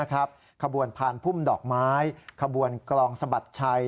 ขบวนพานพุ่มดอกไม้ขบวนกลองสะบัดชัย